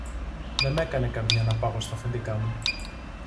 Δε μ' έκανε καρδιά να πάγω στ' αφεντικά μου